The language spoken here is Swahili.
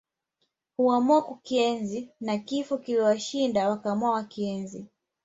Huamua kukienzi na Kifo kiliwashinda wakaamua wakienzi